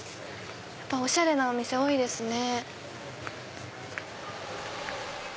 やっぱおしゃれなお店多いですね。